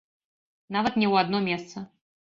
Нават не ў адно месца.